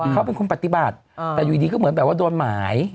เขาเป็นคนปฏิบัติแต่อยู่ดีก็เหมือนแบบว่าโดนหมาย